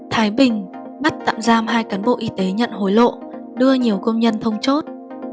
thái bình bắt tạm giam hai cán bộ y tế nhận hối lộ đưa nhiều công nhân thông chốt